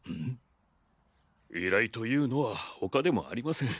依頼というのは他でもありません。